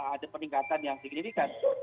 ada peningkatan yang signifikan